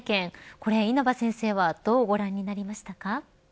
これ、稲葉先生はどうご覧になりましたか。